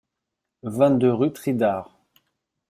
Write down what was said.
vingt-deux rue Tridard